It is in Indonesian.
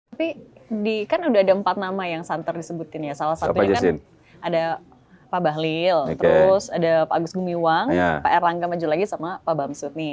tapi kan udah ada empat nama yang santer disebutin ya salah satunya kan ada pak bahlil terus ada pak agus gumiwang pak erlangga maju lagi sama pak bamsud nih